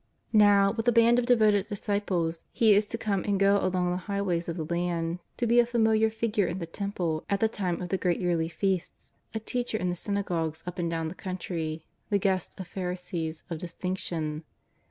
Now, with a band of devoted disciples. He is to come and go along the highways of the land, to be a familiar Figure in the Temple at the time of the great yearly Feasts, a Teacher in the synagogues up and down the country, the Guest of Pharisees of dis tinction.